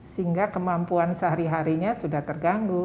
sehingga kemampuan sehari harinya sudah terganggu